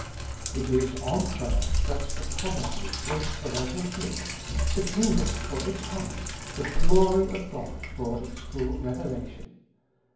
It is on prayer that the promises wait for their fulfilment, the king dom for its coming, the glory of God for its full reve lation.